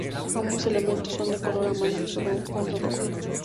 Ambos elementos son de color amarillo sobre un fondo rojo.